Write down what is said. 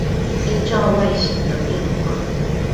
依照外形的變化